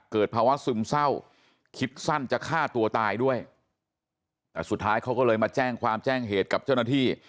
เกิดภาวะซึมเศร้าคิดสั้นจะฆ่าตัวตายด้วยแต่สุดท้ายเขาก็เลยมาแจ้งความแจ้งเหตุกับเจ้าหน้าที่